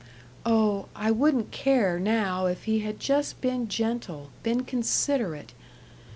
"Oh, I wouldn't care now if he had just been gentle, been considerate....